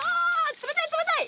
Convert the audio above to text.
冷たい冷たい！